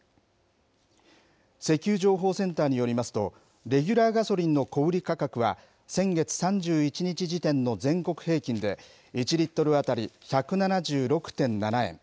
石油情報センターによりますと、レギュラーガソリンの小売り価格は、先月３１日時点の全国平均で、１リットル当たり１７６．７円。